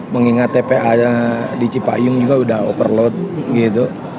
mengingat tpa di cipayung juga udah overload gitu